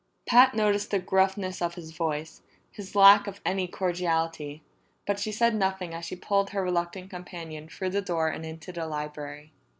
Pat noticed the gruffness of his voice, his lack of any cordiality, but she said nothing as she pulled her reluctant companion through the door and into the library.